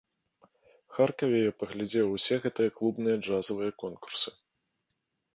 Харкаве я паглядзеў усе гэтыя клубныя джазавыя конкурсы.